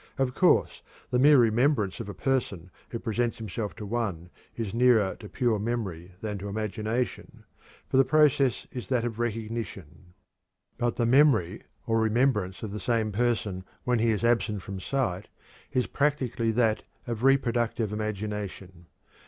Of course the mere remembrance of a person who presents himself to one is nearer to pure memory than to imagination, for the process is that of recognition. But the memory or remembrance of the same person when he is absent from sight is practically that of reproductive imagination.